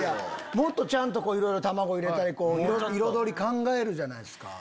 もっとちゃんと卵入れたり彩り考えるじゃないですか。